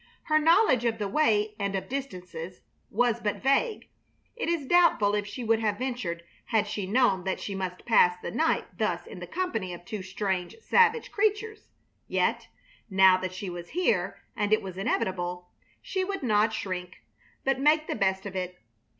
Her knowledge of the way, and of distances, was but vague. It is doubtful if she would have ventured had she known that she must pass the night thus in the company of two strange savage creatures. Yet, now that she was here and it was inevitable, she would not shrink, but make the best of it.